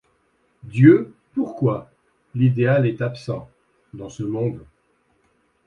Dieu, pourquoi ? L’idéal est absent. Dans ce monde